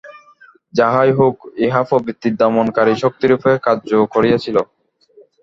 যাহাই হউক, উহা প্রবৃত্তির দমনকারী শক্তিরূপে কার্য করিয়াছিল।